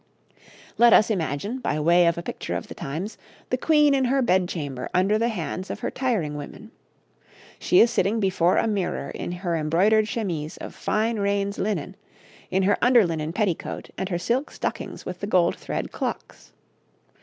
Let us imagine, by way of a picture of the times, the Queen in her bedchamber under the hands of her tiring women: She is sitting before a mirror in her embroidered chemise of fine Raynes linen, in her under linen petticoat and her silk stockings with the gold thread clocks.